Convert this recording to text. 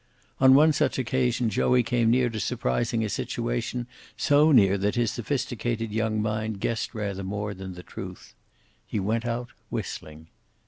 On one such occasion Joey came near to surprising a situation, so near that his sophisticated young mind guessed rather more than the truth. He went out, whistling.